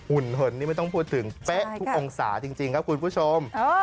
ุ่นเหินนี่ไม่ต้องพูดถึงเป๊ะทุกองศาจริงครับคุณผู้ชม